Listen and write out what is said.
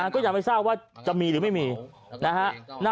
ก็ยังไม่ทราบว่าจะมีหรือไม่มีนะฮะ